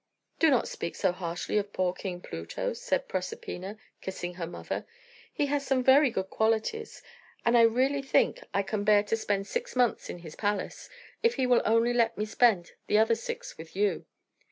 "Do not speak so harshly of poor King Pluto," said Proserpina, kissing her mother. "He has some very good qualities; and I really think I can bear to spend six months in his palace, if he will only let me spend the other six with you.